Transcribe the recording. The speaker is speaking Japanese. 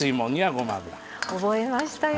覚えましたよ。